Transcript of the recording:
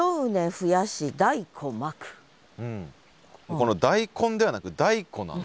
この「大根」ではなく「大根」なんですね。